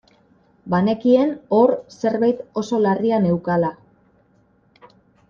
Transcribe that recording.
Banekien hor zerbait oso larria neukala.